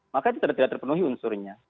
maka itu tidak terpenuhi unsurnya